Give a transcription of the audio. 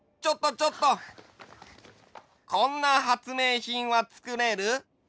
こんな発明品はつくれる？